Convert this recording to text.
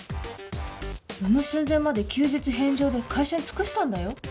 産む寸前まで休日返上で会社に尽くしたんだよ？